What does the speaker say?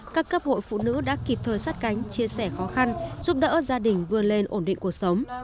các cấp hội phụ nữ đã kịp thời sát cánh chia sẻ khó khăn giúp đỡ gia đình vươn lên ổn định cuộc sống